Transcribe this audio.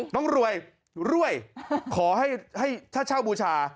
น้องรวยรวยขอให้ถ้าเช่าบูชา